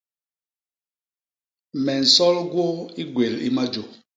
Me nsol gwôô i gwél i majô.